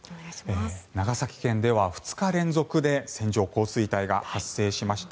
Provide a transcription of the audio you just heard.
長崎県では２日連続で線状降水帯が発生しました。